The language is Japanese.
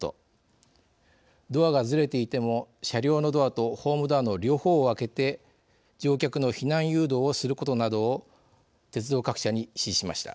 ドアがずれていても車両のドアとホームドアの両方を開けて乗客の避難誘導をすることなどを鉄道各社に指示しました。